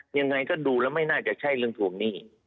ยังไงก็ดูแล้วไม่น่าจะใช่เรื่องทวงหนี้